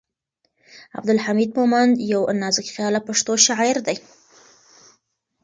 عبدالحمید مومند یو نازکخیاله پښتو شاعر دی.